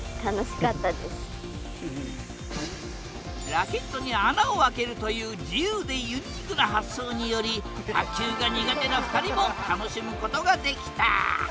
ラケットに穴をあけるという自由でユニークな発想により卓球が苦手な２人も楽しむことができた。